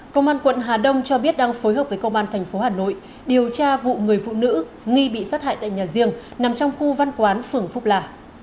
công an quận hà đông cho biết đang phối hợp với công an thành phố hà nội điều tra vụ người phụ nữ nghi bị sát hại tại nhà riêng nằm trong khu văn quán phường phúc là